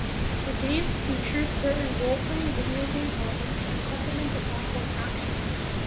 The game features certain role-playing video game elements to complement the platform action.